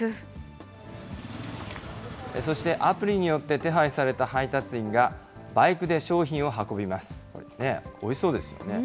そして、アプリによって手配された配達員が、バイクで商品を運びます。